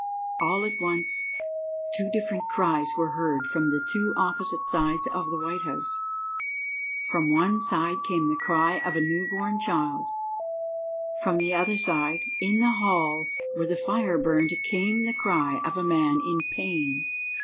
All at once two different cries were heard from the two opposite sides of the White House. From one side came the cry of a new born child, from the other side, in the hall where the fire burned, came the cry of a man in pain.